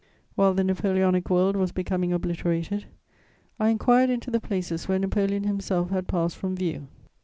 * While the Napoleonic world was becoming obliterated, I inquired into the places where Napoleon himself had passed from view.